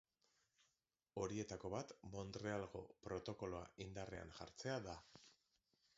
Horietako bat Montrealgo Protokoloa indarrean jartzea da.